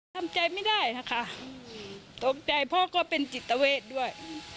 ทำใจไม่ได้นะคะตกใจพ่อก็เป็นจิตเวทด้วย